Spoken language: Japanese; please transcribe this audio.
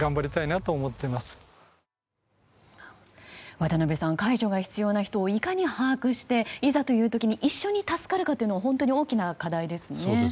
渡辺さん介助が必要な人をいかに把握していざという時に一緒に助かるということは大きな課題ですね。